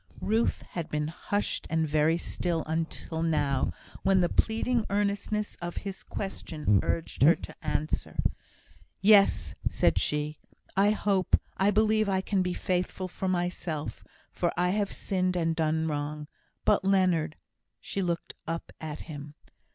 Ruth had been hushed and very still until now, when the pleading earnestness of his question urged her to answer: "Yes!" said she. "I hope I believe I can be faithful for myself, for I have sinned and done wrong. But Leonard " She looked up at him.